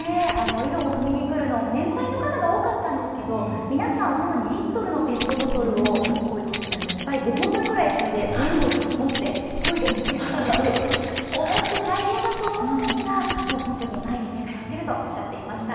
井戸をくみに来るの、年配の人が多かったんですけど、皆さん、本当に２リットルのペットボトルを、いっぱい５本分くらい積んで前後に持って、こいで持って帰っていて、重くて大変だと思うんですが、もう本当に毎日通っているとおっしゃっていました。